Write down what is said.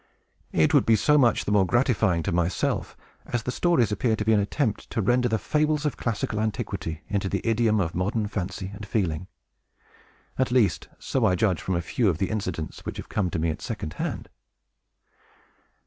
It would be so much the more gratifying to myself, as the stories appear to be an attempt to render the fables of classical antiquity into the idiom of modern fancy and feeling. At least, so I judge from a few of the incidents which have come to me at second hand."